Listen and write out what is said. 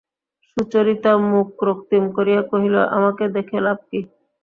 সুচরিতা মুখ রক্তিম করিয়া কহিল, আমাকে দেখে লাভ কী?